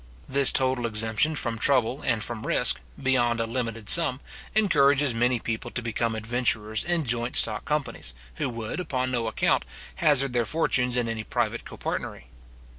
This total exemption front trouble and front risk, beyond a limited sum, encourages many people to become adventurers in joint stock companies, who would, upon no account, hazard their fortunes in any private copartnery.